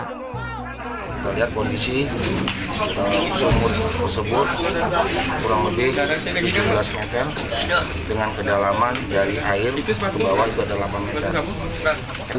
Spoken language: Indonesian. kita lihat kondisi sumur tersebut kurang lebih tujuh belas meter dengan kedalaman dari air itu ke bawah itu ada delapan meter